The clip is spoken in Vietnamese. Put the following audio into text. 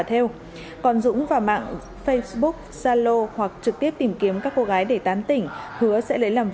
theo còn dũng và mạng facebook zalo hoặc trực tiếp tìm kiếm các cô gái để tán tỉnh hứa sẽ lấy làm